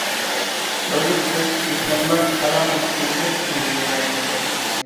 روزا تۇتۇش مۇسۇلمانلار ئادا قىلىشقا تېگىشلىك دىنىي مەجبۇرىيەت.